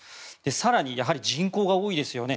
更にやはり人口が多いですよね。